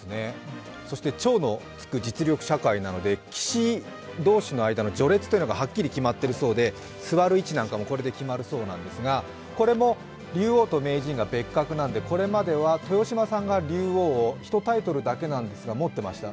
超のつく実力社会なので棋士同士の地位がはっきり決まっているそうで、すわる位置なんかもこれで決まるそうなんですが、これも竜王と名人が別格なので、これまでは豊島さんは竜王を１タイトルだけですが持ってました。